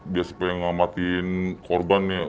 biar supaya ngamatin korban ya